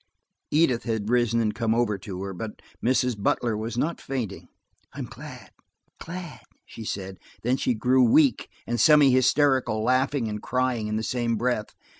Edith had risen and come over to her. But Mrs. Butler was not fainting. "I'm glad, glad," she said. Then she grew weak and semi hysterical, laughing and crying in the same breath.